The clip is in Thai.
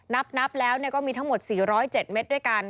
นับแล้วก็มีทั้งหมด๔๐๗เม็ดด้วยกัน